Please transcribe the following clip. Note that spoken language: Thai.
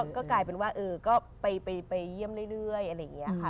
ก็กลายเป็นว่าก็ไปเยี่ยมเรื่อยอะไรอย่างนี้ค่ะ